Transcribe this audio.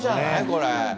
これ。